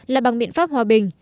là bằng miệng pháp hòa bình